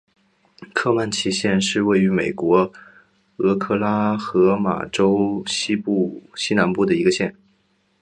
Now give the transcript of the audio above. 科曼奇县是位于美国俄克拉何马州西南部的一个县。